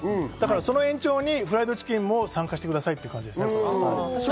その延長にフライドチキンも参加してくださいっていう感じです。